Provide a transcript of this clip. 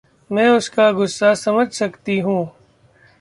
मैं उसका गुस्सा समझ सकती हूँ।